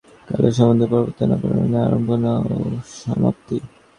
কালেই সমুদয় পরিবর্তন বা পরিণামের আরম্ভ ও সমাপ্তি।